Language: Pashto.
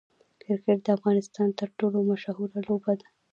کرکټ د افغانستان تر ټولو مشهوره لوبه ده.